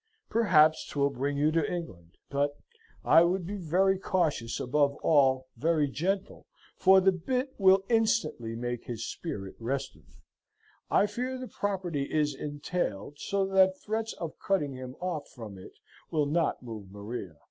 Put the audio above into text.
Perhaps 'twill bring you to England: but I would be very cautious, above all, very gentle, for the bitt will instantly make his high spirit restive. I fear the property is entailed, so that threats of cutting him off from it will not move Maria.